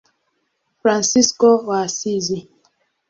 Fransisko wa Asizi.